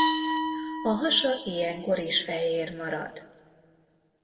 A hasa ilyenkor is fehér marad.